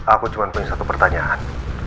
aku cuma punya satu pertanyaan